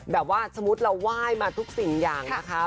แบบว่าสมมุติเราไหว้มาทุกสิ่งอย่างนะคะ